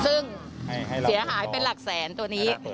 ซึ่งเสียหายเป็นหลักแสนตัวนี้